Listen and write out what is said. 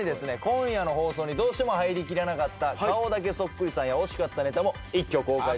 今夜の放送にどうしても入りきらなかった顔だけそっくりさんや惜しかったネタも一挙公開。